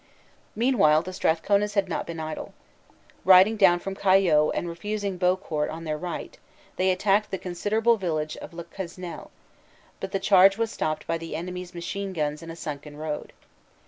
Meanwhile the Strathcona s had not been idle. Riding down from Cayeux and refusing Beaucourt on their right, they attacked the considerable village of Le Quesnel, but the charge was stopped by the enemy s machinC guns in a sunken road.